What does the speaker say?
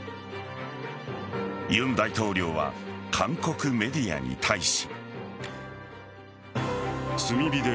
尹大統領は韓国メディアに対し。